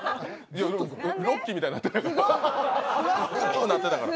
ロッキーみたいになってるから。